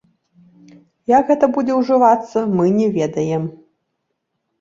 Як гэта будзе ўжывацца, мы не ведаем.